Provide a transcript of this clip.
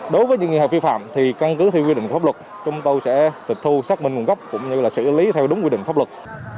đối với những người học phi phạm thì căn cứ theo quy định pháp luật chúng tôi sẽ tịch thu xác minh nguồn gốc cũng như là xử lý theo đúng quy định pháp luật